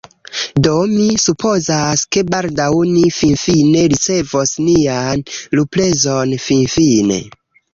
Do mi supozas, ke baldaŭ ni finfine ricevos nian luprezon. Finfine.